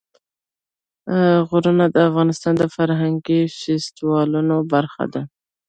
غرونه د افغانستان د فرهنګي فستیوالونو برخه ده.